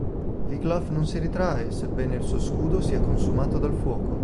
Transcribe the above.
Wiglaf non si ritrae, sebbene il suo scudo sia consumato dal fuoco.